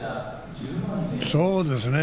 そうですね。